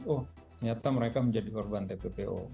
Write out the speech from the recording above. oh ternyata mereka menjadi korban tppo